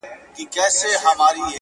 ویل وایه د عمرونو جادوګره٫